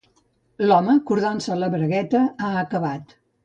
L'home, cordant-se la bragueta, ha acabat.